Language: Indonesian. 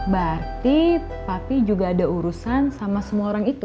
berarti tapi juga ada urusan sama semua orang itu